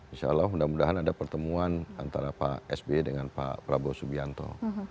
insya allah mudah mudahan ada pertemuan antara pak sby dengan pak prabowo subianto